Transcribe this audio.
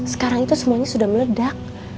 sekarang itu semuanya sudah meledak